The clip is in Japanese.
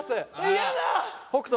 嫌だ！